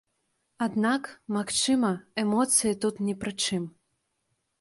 Аднак, магчыма, эмоцыі тут не пры чым.